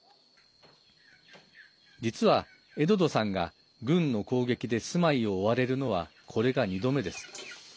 実は、エドドさんが軍の攻撃で住まいを追われるのはこれが２度目です。